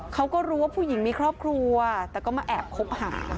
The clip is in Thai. เขาก็รู้ว่าผู้หญิงมีครอบครัวแต่ก็มาแอบคบหา